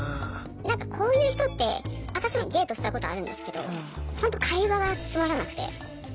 何かこういう人って私もデートしたことあるんですけどほんと会話がつまらなくて。